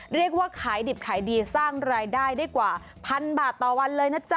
เรียกว่าขายดิบขายดีสร้างรายได้ได้กว่าพันบาทต่อวันเลยนะจ๊ะ